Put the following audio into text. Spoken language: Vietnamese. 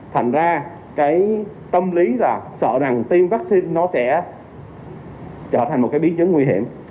thành ra cái tâm lý là sợ rằng tiêm vaccine nó sẽ trở thành một cái biến chứng nguy hiểm